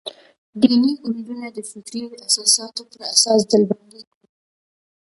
دیني ګوندونه د فکري اساساتو پر اساس ډلبندي کړو.